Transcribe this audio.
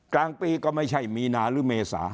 กลางปีก็ไม่ใช่มีนาหรือเมษา